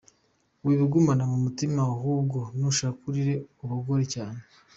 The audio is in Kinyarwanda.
Wibigumana mu mutima, ahubwo nushaka urire uboroge cyane.